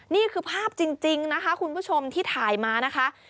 นี่คือภาพจริงนะคะคุณผู้ชมที่ถ่ายมานะคะ